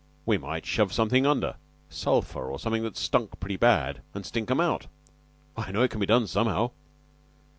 We might shove somethin' under sulphur, or something that stunk pretty bad an' stink 'em out. I know it can be done somehow."